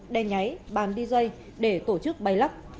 đen nháy bàn đi dây để tổ chức bay lắc